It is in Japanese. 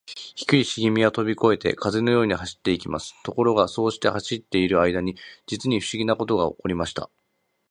低いしげみはとびこえて、風のように走っていきます。ところが、そうして少し走っているあいだに、じつにふしぎなことがおこりました。